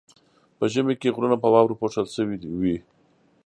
په ژمي کې غرونه په واورو پوښل شوي وي.